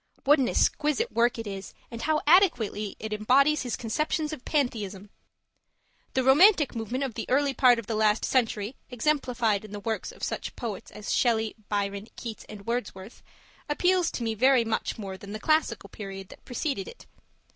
What an exquisite work it is, and how adequately it embodies his conceptions of Pantheism! The Romantic movement of the early part of the last century, exemplified in the works of such poets as Shelley, Byron, Keats, and Wordsworth, appeals to me very much more than the Classical period that preceded it.